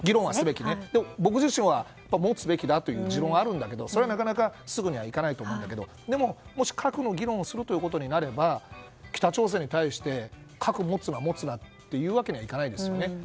僕自身は持つべきだという持論があるんだけどそれはなかなかすぐにはいかないと思うんだけどでも、もし核の議論をすることになれば北朝鮮に対して核を持つなと言うわけにはいかないですよね。